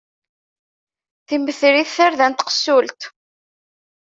Timmetrit, tarda n tqessult.